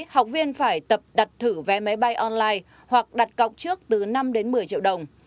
học viên phải tập đặt thử vé máy bay online hoặc đặt cọc trước từ năm đến một mươi triệu đồng